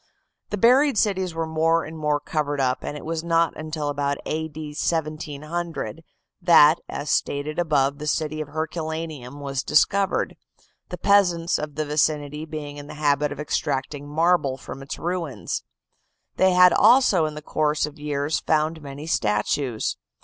The buried cities were more and more covered up, and it was not until about A. D. 1700 that, as above stated, the city of Herculaneum was discovered, the peasants of the vicinity being in the habit of extracting marble from its ruins. They had also, in the course of years, found many statues.